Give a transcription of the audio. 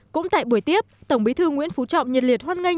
cũng tại buổi tiếp tổng bí thư nguyễn phú trọng nhiệt liệt hoan nghênh